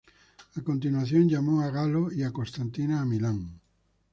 A continuación, llamó a Galo y a Constantina a Milán.